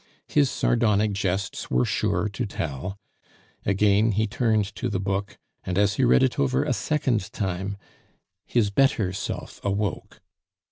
His sardonic jests were sure to tell. Again he turned to the book, and as he read it over a second time, his better self awoke.